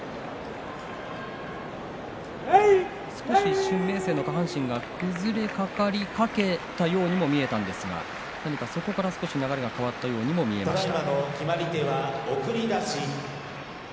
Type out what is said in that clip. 一瞬、明生の下半身が崩れかけたように見えたんですがそこから流れが変わったようにも見えました。